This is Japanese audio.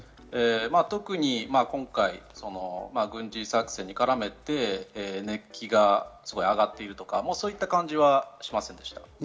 特に今回、軍事作戦に絡めて熱気がすごい上がっているとか、そういった感じはしませんでした。